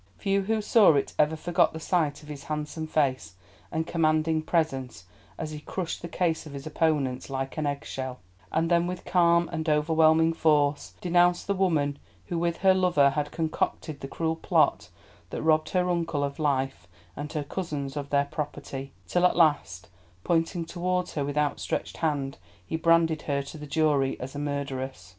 Few who saw it ever forgot the sight of his handsome face and commanding presence as he crushed the case of his opponents like an eggshell, and then with calm and overwhelming force denounced the woman who with her lover had concocted the cruel plot that robbed her uncle of life and her cousins of their property, till at the last, pointing towards her with outstretched hand, he branded her to the jury as a murderess.